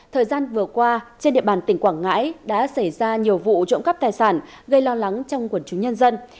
thời gian vừa qua trên địa bàn tỉnh quảng ngãi đã xảy ra nhiều vụ trộm cắp tài sản gây lo lắng trong quần chúng nhân dân